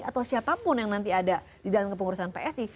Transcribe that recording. atau siapapun yang nanti ada di dalam kepengurusan psi